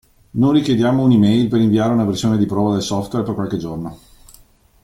Non richiediamo un'e-mail per inviare una versione di prova del software per qualche giorno.